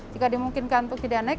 jika dimungkinkan untuk tidak naik